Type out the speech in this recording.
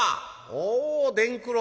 「おう伝九郎。